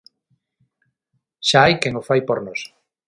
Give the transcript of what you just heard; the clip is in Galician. Xa hai quen o fai por nós.